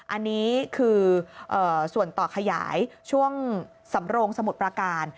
อันนี้คือส่วนต่อขยายช่วงสำโรงสมุทรประการ